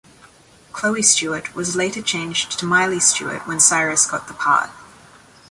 Chloe Stewart was later changed to Miley Stewart when Cyrus got the part.